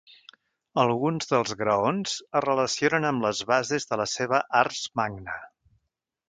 Alguns dels graons es relacionen amb les bases de la seva Ars magna.